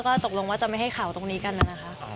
ก็ตกลงว่าจะไม่ให้ข่าวตรงนี้กันนะคะ